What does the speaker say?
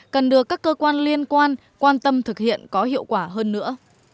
cần được các cơ quan liên quan quan tâm thực hiện có hiệu quả hơn nữa